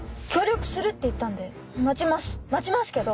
協力するって言ったんで待ちます